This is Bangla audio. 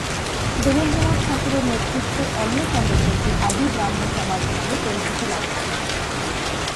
দেবেন্দ্রনাথ ঠাকুরের নেতৃত্বে অন্য সংগঠনটি আদি ব্রাহ্ম সমাজ নামে পরিচিতি লাভ করে।